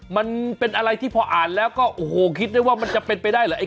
มันเป็นอะไรที่พออ่านแล้วก็โอ้โหคิดได้ว่ามันจะเป็นไปได้เหรอไอ